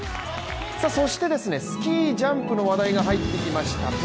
そして、スキージャンプの話題が入ってきました。